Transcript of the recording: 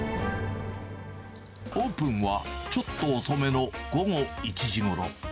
オープンはちょっと遅めの午後１時ごろ。